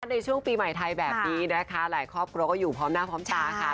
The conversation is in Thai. ในช่วงปีใหม่ไทยแบบนี้นะคะหลายครอบครัวก็อยู่พร้อมหน้าพร้อมตาค่ะ